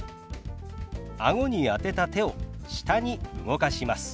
あごに当てた手を下に動かします。